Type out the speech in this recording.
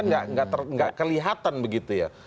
ini kan gak kelihatan begitu ya